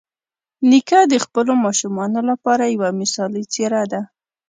نیکه د خپلو ماشومانو لپاره یوه مثالي څېره ده.